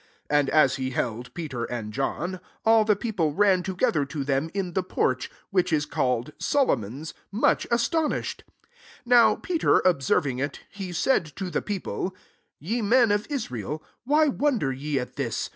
11 And as he held Peter and John, all the people ran toge ther to them in the porch, which is called Solomon's, much as tonished. 12 Now Peter observing iV, he said to the people, " Ye men of Israel, why wonder ye at this